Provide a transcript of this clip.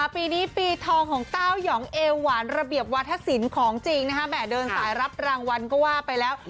ปีนี้ปีทองของเต้ายองเอวหวานระเบียบวาธศิลป์ของจริงแห่เดินสายรับรางวัลก็ว่าไปแล้ว